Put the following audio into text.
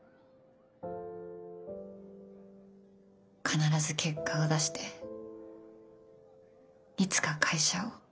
必ず結果を出していつか会社を。